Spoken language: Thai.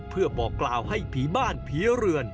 เพื่อบอกกล่าวให้ผีบ้านผีเรือน